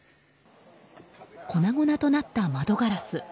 粉々となった窓ガラス。